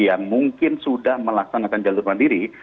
yang mungkin sudah melaksanakan jalur mandiri